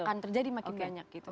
akan terjadi makin banyak gitu